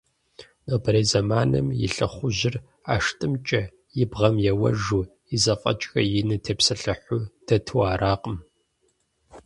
Нобэрей зэманым и лӏыхъужьыр ӏэштӏымкӏэ и бгъэм еуэжу, и зэфӏэкӏхэм ину тепсэлъыхьу дэту аракъым.